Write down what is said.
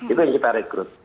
itu yang kita rekrut